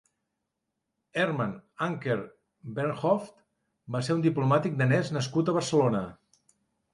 Herman Anker Bernhoft va ser un diplomàtic danès nascut a Barcelona.